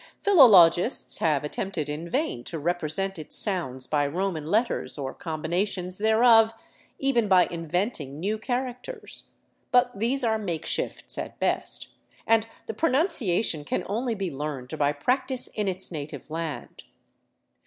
Philologists have attempted in vain to represent its sounds by Roman letters or com binations thereof, even by inventing new characters. But these are makeshifts at best, and the pronunciation can only be learned by prac tice In its native land.